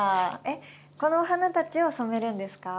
えっこのお花たちを染めるんですか？